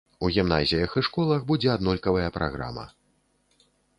У гімназіях і школах будзе аднолькавая праграма.